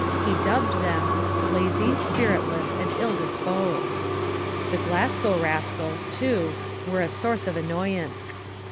He dubbed them 'lazy, spiritless and ill disposed.' The 'Glasgow rascals,' too, were a source of annoyance.